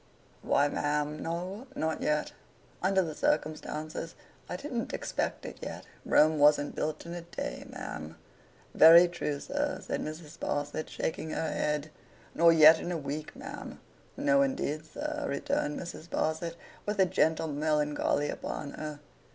'Why, ma'am, no; not yet. Under the circumstances, I didn't expect it yet. Rome wasn't built in a day, ma'am.' 'Very true, sir,' said Mrs. Sparsit, shaking her head. 'Nor yet in a week, ma'am.' 'No, indeed, sir,' returned Mrs. Sparsit, with a gentle melancholy upon her.